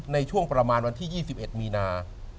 ในช่วงประมาณวันที่๒๑มีนา